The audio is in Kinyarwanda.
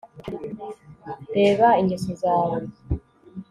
reba ingeso zawe